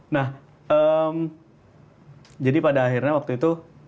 nah jadi pada akhirnya waktu itu